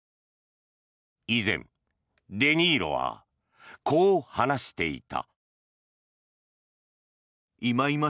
以前、デ・ニーロはこう話していた。